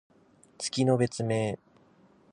月の別名。